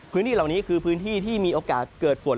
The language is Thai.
พื้นที่เหล่านี้คือพื้นที่ที่มีโอกาสเกิดฝน